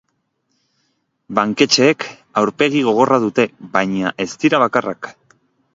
Banketxeek aurpegi gogorra dute baina ez dira bakarrak.